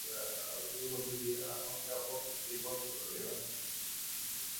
প্রকৃতির মধ্য দিয়া মানুষ আপনার মুক্তির পথ করিয়া লয়।